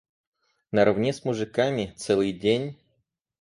Наравне с мужиками, целый день?